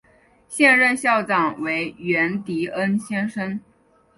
现任校长为源迪恩先生。